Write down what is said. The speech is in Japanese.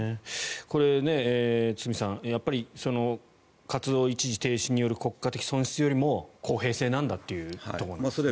これ、堤さん活動を一時停止による国家的損失よりも公平性なんだというところですね。